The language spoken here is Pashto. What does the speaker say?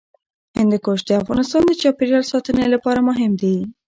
هندوکش د افغانستان د چاپیریال ساتنې لپاره مهم دي.